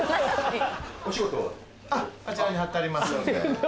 あちらに張ってありますので。